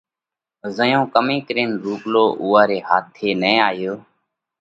زئيون ڪمي ڪرينَ رُوپلو اُوئا ري هاٿِي نہ آيو